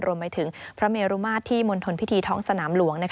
รวมไปถึงพระเมรุมาตรที่มณฑลพิธีท้องสนามหลวง